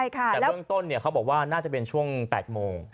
แต่เบื้องต้นเขาบอกว่าน่าจะเป็นช่วง๘โมง